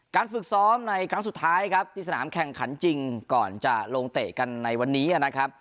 ฝึกซ้อมในครั้งสุดท้ายครับที่สนามแข่งขันจริงก่อนจะลงเตะกันในวันนี้นะครับ